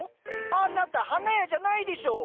あなた花屋じゃないでしょう！